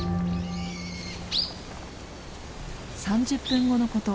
３０分後のこと。